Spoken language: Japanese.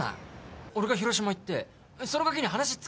俺が広島行ってそのガキに話つけてやるよ